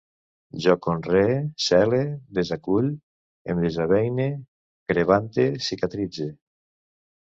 Jo conree, cele, desacull, em desaveïne, crebante, cicatritze